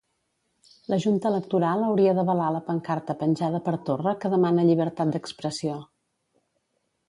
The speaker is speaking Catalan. La junta electoral hauria d'avalar la pancarta penjada per Torra que demana llibertat d'expressió.